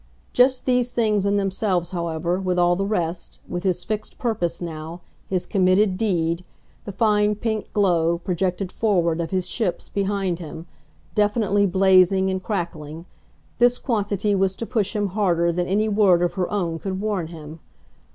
Just these things in themselves, however, with all the rest, with his fixed purpose now, his committed deed, the fine pink glow, projected forward, of his ships, behind him, definitely blazing and crackling this quantity was to push him harder than any word of her own could warn him.